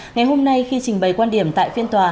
ngày hôm nay khi trình bày quan điểm tại phiên tòa